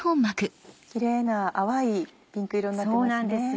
キレイな淡いピンク色になってますね。